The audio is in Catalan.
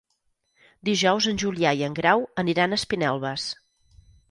Dijous en Julià i en Grau aniran a Espinelves.